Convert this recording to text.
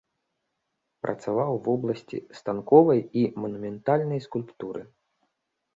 Працаваў у вобласці станковай і манументальнай скульптуры.